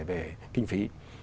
về kinh phí